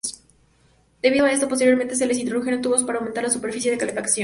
Debido a esto, posteriormente se les introdujeron tubos para aumentar la superficie de calefacción.